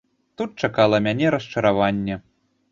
Тут чакала мяне расчараванне.